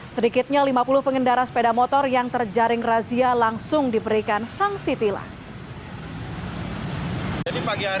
sedikitnya lima puluh pengendara sepeda motor yang terjaring razia langsung diberikan sanksi tilang